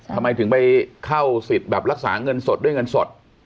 ทำไมถึงไปเข้าสิทธิ์แบบรักษาเงินสดด้วยเงินสด